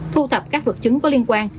thu thập các vật chứng có liên quan